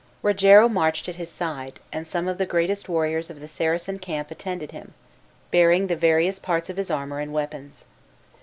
Rogero marched at his side, and some of the greatest warriors of the Saracen camp attended him, bearing the various parts of his armor and weapons.